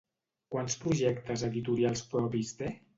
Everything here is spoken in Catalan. Quants projectes editorials propis té?